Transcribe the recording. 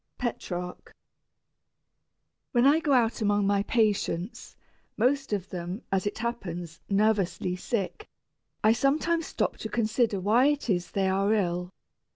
PETRARCH. When I go about among my patients, most of them, as it happens, "nervously" sick, I sometimes stop to consider why it is they are ill.